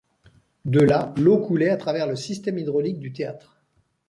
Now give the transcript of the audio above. De là, l'eau coulait à travers le système hydraulique du théâtre.